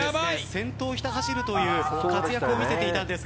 先頭をひた走るという活躍を見せていたんですが。